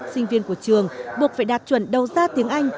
sinh viên của trường buộc phải đạt chuẩn đầu gia tiếng anh